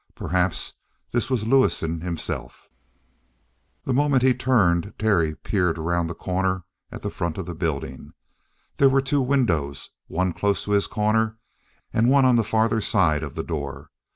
Perhaps this was Lewison himself. The moment he was turned, Terry peered around the corner at the front of the building. There were two windows, one close to his corner and one on the farther side of the door.